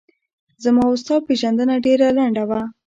زما و ستا پیژندنه ډېره لڼده وه